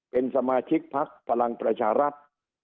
เป็นสมาชิกพักพลังประชารัฐ